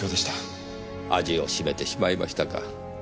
味をしめてしまいましたか。